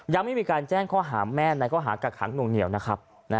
ยังไม่มีการแจ้งข้อหาแม่ในข้อหากักขังหน่วงเหนียวนะครับ